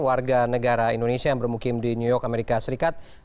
warga negara indonesia yang bermukim di new york amerika serikat